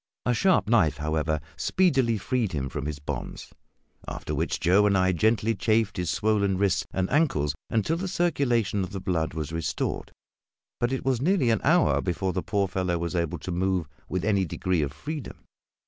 A sharp knife, however, speedily freed him from his bonds, after which Joe and I gently chafed his swollen wrists and ankles until the circulation of the blood was restored; but it was nearly an hour before the poor fellow was able to move with any degree of freedom.